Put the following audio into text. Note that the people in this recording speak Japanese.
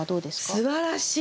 すばらしい！